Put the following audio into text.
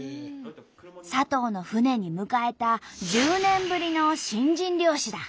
佐藤の船に迎えた１０年ぶりの新人漁師だ。